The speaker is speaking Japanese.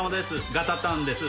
ガタタンです。